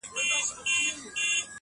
• وروسته وار سو د غوايي د ښکر وهلو -